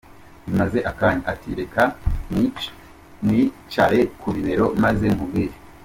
Bimaze akanya, ati “Reka nkwicare ku bibero maze nkubwire”.